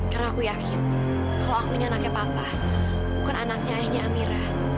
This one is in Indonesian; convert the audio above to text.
karena aku yakin kalau aku ini anaknya papa bukan anaknya ayahnya amira